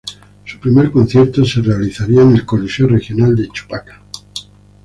Su primer concierto se realizaría en el Coliseo Regional de Chupaca.